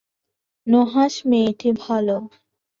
নুহাশ মেয়েটি ভালো।